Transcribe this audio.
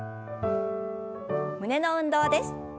胸の運動です。